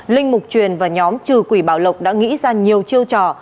linh mục truyền và nhóm trừ quỷ bảo lộc đã nghĩ ra nhiều chiêu trò